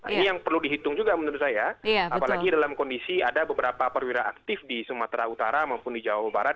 ini yang perlu dihitung juga menurut saya apalagi dalam kondisi ada beberapa perwira aktif di sumatera utara maupun di jawa barat